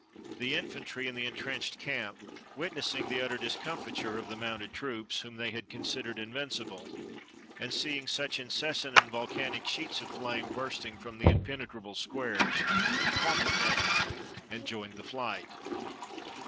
The infantry in the intrenched camp, witnessing the utter discomfiture of the mounted troops, whom they had considered invincible, and seeing such incessant and volcanic sheets of flame bursting from the impenetrable squares, caught the panic, and joined the flight.